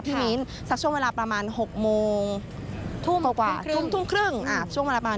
พี่มีนสักช่วงเวลาประมาณ๑๘๓๐ก้าวกว่า